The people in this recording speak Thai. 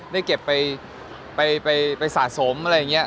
ได้บุญด้วยขอบคุณมากเลย